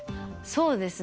そうですね。